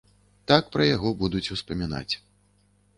Так пра яго будуць успамінаць.